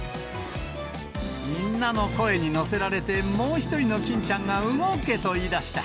みんなの声に乗せられて、もう一人の欽ちゃんが動け！と言い出した。